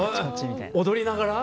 踊りながら？